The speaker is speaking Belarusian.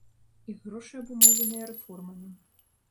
Іх грошы абумоўленыя рэформамі.